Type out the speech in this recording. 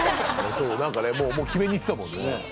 なんかねもう決めにいってたもんね。